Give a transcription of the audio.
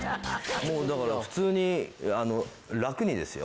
もうだから普通に楽にですよ？